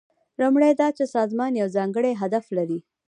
لومړی دا چې سازمان یو ځانګړی هدف لري.